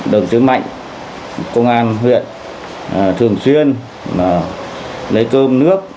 đồng chí mạnh công an huyện thường xuyên lấy cơm nước